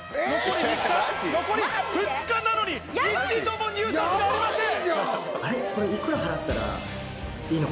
残り２日なのに一度も入札がありません！